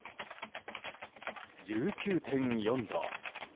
１９．４度。